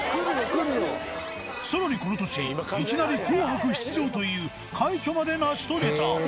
さらにこの年いきなり『紅白』出場という快挙まで成し遂げた。